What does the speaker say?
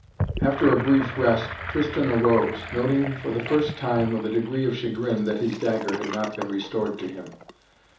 After a brief rest Tristan arose, noting for the first time with a degree of chagrin that his dagger had not been restored to him.